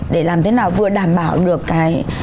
để làm thế nào vừa đảm bảo được cái